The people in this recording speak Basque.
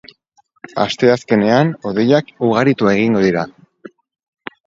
Asteazkenean, hodeiak ugaritu egingo dira.